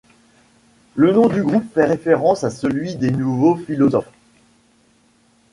Le nom du groupe fait référence à celui des nouveaux philosophes.